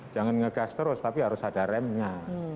jangan ngegas terus tapi harus ada remnya